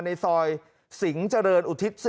ในซอยสิงห์เจริญอุทิศ๔